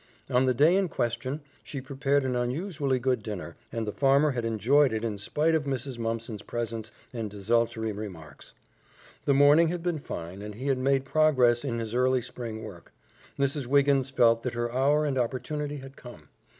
On the day in question she prepared an unusually good dinner, and the farmer had enjoyed it in spite of Mrs. Mumpson's presence and desultory remarks. The morning had been fine and he had made progress in his early spring work. Mrs. Wiggins felt that her hour and opportunity had come.